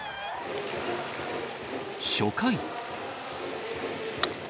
初回。